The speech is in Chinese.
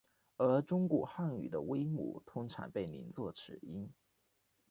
而中古汉语的微母通常被拟作此音。